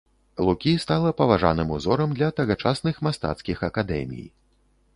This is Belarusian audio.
Лукі стала паважаным узорам для тагачасных мастацкіх акадэмій.